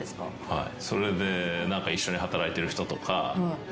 はい。